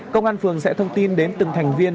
công an phường sẽ thông tin đến từng thành viên